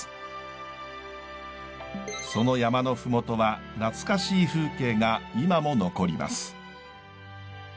その山の麓は懐かしい風景が今も残ります。